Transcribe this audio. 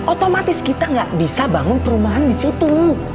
otomatis kita gak bisa bangun perumahan disitu